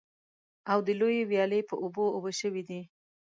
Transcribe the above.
او د لویې ويالې په اوبو اوبه شوي دي.